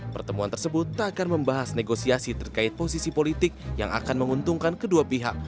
pertemuan tersebut tak akan membahas negosiasi terkait posisi politik yang akan menguntungkan kedua pihak